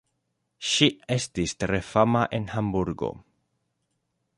Ŝi estis tre fama en Hamburgo.